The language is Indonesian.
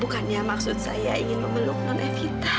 bukannya maksud saya ingin memeluk non evita